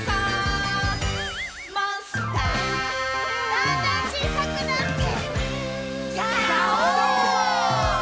だんだんちいさくなって。